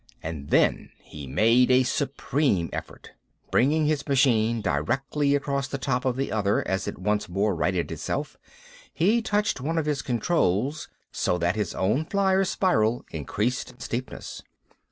And then he made a supreme effort. Bringing his machine directly across the top of the other as it once more righted itself, he touched one of his controls, so that his own flier's spiral increased in steepness.